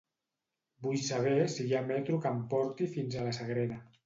Vull saber si hi ha metro que em porti fins a la Sagrera.